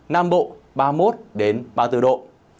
nam bộ ba mươi một ba mươi bốn độ